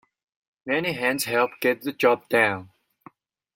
Many hands help get the job done.